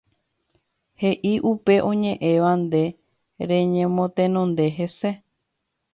heʼi upe oñeʼẽva nde reñemotenonde hese.